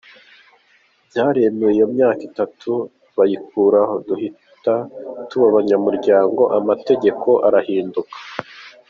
Byaremewe iyo myaka itatu bayikuraho, duhita tuba abanyamuryango, amategeko arahinduka.